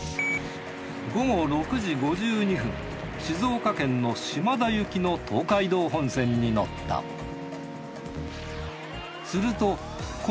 午後６時５２分静岡県の島田行きの東海道本線に乗ったはい。